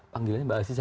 panggilannya mbak aziza